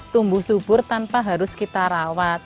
tumbuh subur tanpa harus kita rawat